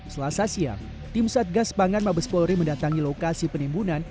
selasa siang tim satgas pangan mabes polri mendatangi lokasi penimbunan